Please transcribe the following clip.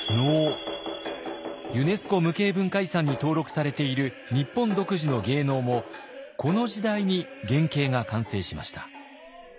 ユネスコ無形文化遺産に登録されている日本独自の芸能もこの時代に原型が完成しました。